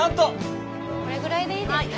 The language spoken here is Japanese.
これぐらいでいいですかね？